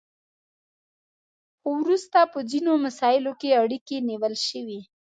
خو وروسته په ځینو مساییلو کې اړیکې نیول شوي